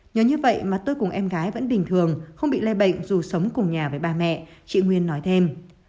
nhớ như vậy mà tôi cùng em gái vẫn bình thường không bị lây bệnh dù sống cùng nhà với bà mẹ chị nguyên nói thêm